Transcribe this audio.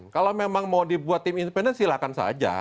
kalau memang mau dibuat tim independen silakan saja